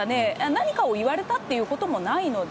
何かを言われたってこともないので。